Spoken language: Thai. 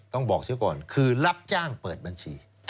ต้องบอกเสียก่อนคือรับจ้างเปิดบัญชี